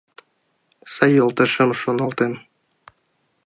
Сай йолташем шоналтен